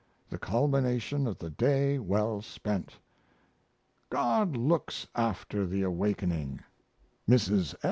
The culmination of the day well spent! God looks after the awakening. Mrs.